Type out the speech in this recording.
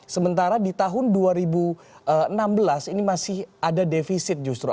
sementara di tahun dua ribu enam belas ini masih ada defisit justru